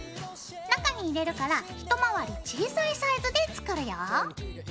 中に入れるから一回り小さいサイズで作るよ。